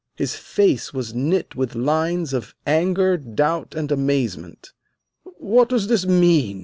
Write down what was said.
His face was knit with lines of anger, doubt, and amazement. "What does this mean!"